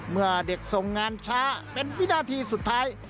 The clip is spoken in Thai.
เมื่อเด็กส่งงานช้าเป็นวินาทีสุดท้าย